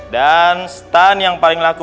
dan stun yang paling laku